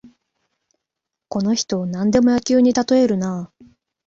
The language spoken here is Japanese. この人、なんでも野球にたとえるな